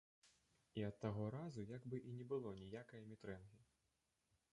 І ад таго разу, як бы і не было ніякае мітрэнгі.